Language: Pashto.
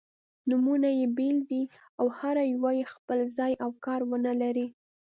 نومونه يې بېل دي او هره یوه یې خپل ځای او کار-ونه لري.